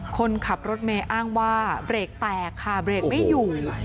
คนขับรถเมย์อ้างว่าเบรกแตกค่ะเบรกไม่อยู่